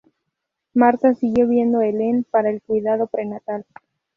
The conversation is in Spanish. Martha siguió viendo Helen para el cuidado prenatal.